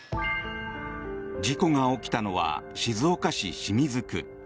事故が起きたのは静岡市清水区。